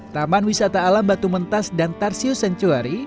taman wisata alam batu mentas dan tarsius sanctuary